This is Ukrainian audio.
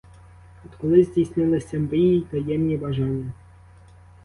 От коли здійснилися мрії й таємні бажання.